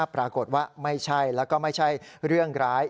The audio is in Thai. ปรากฏว่าไม่ใช่แล้วก็ไม่ใช่เรื่องร้าย